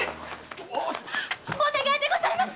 お願いでございます！